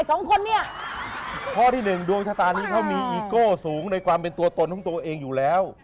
สองคนเนี่ยข้อที่หนึ่งดวงชะตานี้เขามีอีโก้สูงในความเป็นตัวตนของตัวเองอยู่แล้ว